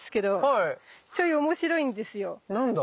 何だ？